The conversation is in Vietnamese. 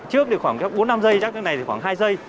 trước thì khoảng bốn năm giây trước này thì khoảng hai giây